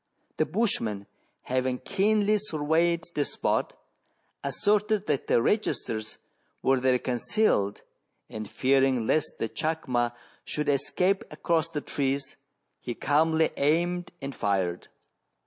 The bushman, having keenly surveyed the spot, asserted that the registers were there concealed, and fearing lest the chacma should escape across the trees, he calmly aimed and fired.